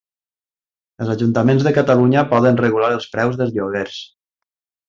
Els ajuntaments de Catalunya poden regular els preus dels lloguers